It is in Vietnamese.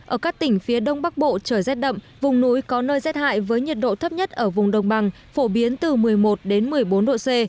ở các tỉnh phía đông bắc bộ trời rét đậm vùng núi có nơi rét hại với nhiệt độ thấp nhất ở vùng đồng bằng phổ biến từ một mươi một đến một mươi bốn độ c